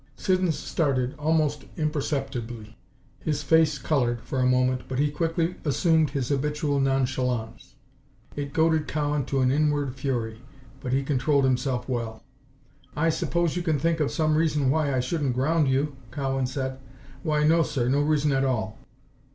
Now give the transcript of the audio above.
Siddons started, almost imperceptibly. His face colored, for a moment, but he quickly assumed his habitual nonchalance. It goaded Cowan to an inward fury, but he controlled himself well. "I suppose you can think of some reason why I shouldn't ground you," Cowan said. "Why, no sir. No reason at all."